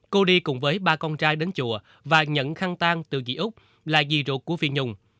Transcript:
cô đi cùng với ba con trai đến chùa và nhận khăn tang từ dì úc là dì ruột của phi nhung